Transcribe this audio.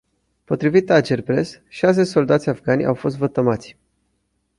Potrivit Agerpres, șase soldați afgani au fost vătămați.